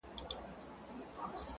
o پر پوست سکه نه وهل کېږي.